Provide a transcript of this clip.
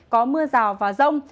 có mưa rào và rông